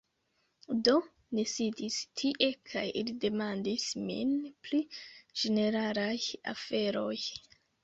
Do, ni sidis tie kaj ili demandis min pri ĝeneralaj aferoj